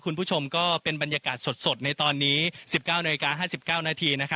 คุณผู้ชมก็เป็นบรรยากาศสดในตอนนี้๑๙นาฬิกา๕๙นาที